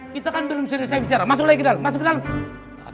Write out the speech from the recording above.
kita kan belum serius saya bicara masuk lagi ke dalam masuk ke dalam